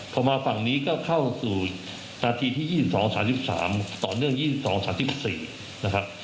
พอมาฝั่งนี้ก็เข้าสู่นาทีที่๒๒๓๓ต่อเนื่อง๒๒๓๖๔นะครับ